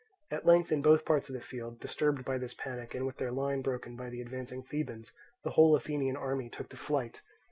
At length in both parts of the field, disturbed by this panic, and with their line broken by the advancing Thebans, the whole Athenian army took to flight.